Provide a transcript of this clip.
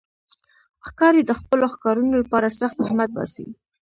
ښکاري د خپلو ښکارونو لپاره سخت زحمت باسي.